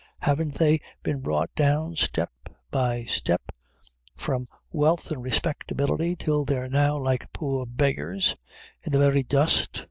Haven't they been brought down, step by step, from wealth an' respectability, till they're now like poor beggars, in the very dust?